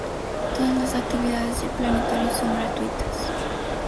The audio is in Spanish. Todas las actividades del planetario son gratuitas.